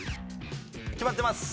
決まってます！